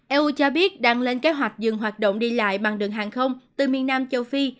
eu cho biết đang lên kế hoạch dừng hoạt động đi lại bằng đường hàng không từ miền nam châu phi